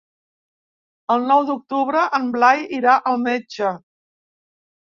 El nou d'octubre en Blai irà al metge.